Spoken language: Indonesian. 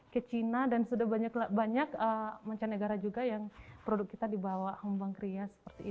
ke china dan sudah banyak banyak mancanegara juga yang produk kita dibawa hembang kria